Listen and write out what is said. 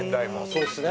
そうですね。